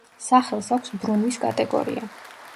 სახელს აქვს ბრუნვის კატეგორია.